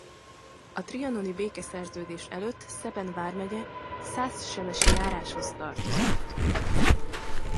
A trianoni békeszerződés előtt Szeben vármegye Szászsebesi járásához tartozott.